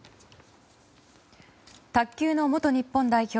卓球の元日本代表